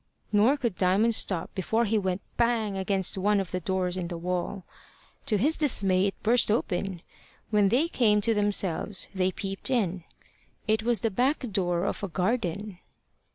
Nor could Diamond stop before he went bang against one of the doors in the wall. To his dismay it burst open. When they came to themselves they peeped in. It was the back door of a garden.